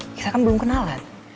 kita kan belum kenalan